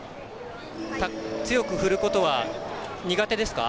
強く振ることは苦手ですか？